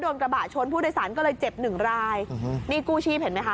กระบะชนผู้โดยสารก็เลยเจ็บหนึ่งรายนี่กู้ชีพเห็นไหมคะ